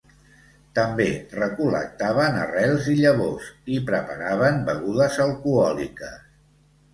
També recol·lectaven arrels i llavors i preparaven begudes alcohòliques.